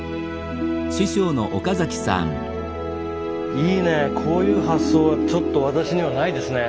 いいねこういう発想はちょっと私にはないですね。